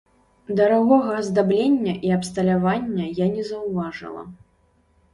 Дарагога аздаблення і абсталявання я не заўважыла.